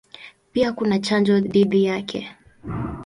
Pia kuna chanjo dhidi yake.